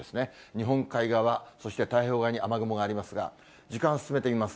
日本海側、そして太平洋側に雨雲がありますが、時間進めてみます。